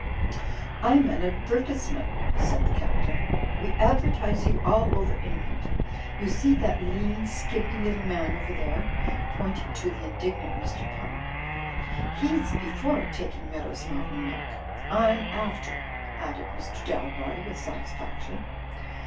"I'm an Advertisement," said the Captain. "We advertise you all over England. You see that lean, skimpy, little man over there," pointing to the indig nant Mr. Pump, "He's Before Taking Meadows's Moimtain Milk. Fm After," added Mr. Dalroy, with satisfaction.